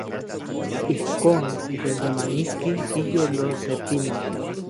Ijkon tikyolyamanisnekis iyolo se pinotl.